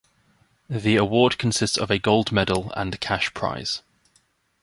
The award consists of a gold medal and cash prize.